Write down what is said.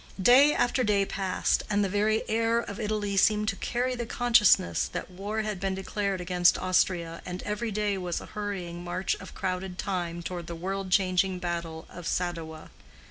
Day after day passed, and the very air of Italy seemed to carry the consciousness that war had been declared against Austria, and every day was a hurrying march of crowded Time toward the world changing battle of Sadowa.